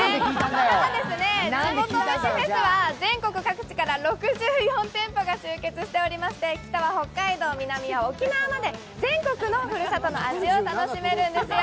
ただ、地元飯フェスは全国から６４店舗が集結しておりまして北は北海道から皆実は沖縄まで全国のふるさとの味を楽しめるんですよ。